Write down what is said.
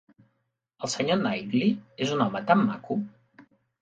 El sr. Knightley és un home tan maco!